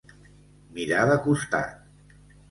Mirar de costat.